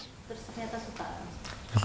terus ternyata suka